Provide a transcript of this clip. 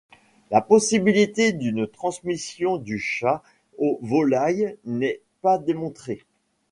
La possibilité d’une transmission du chat aux volailles n’est pas démontrée.